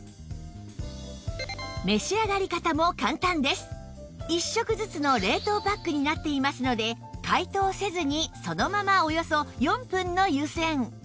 しかも１食ずつの冷凍パックになっていますので解凍せずにそのままおよそ４分の湯煎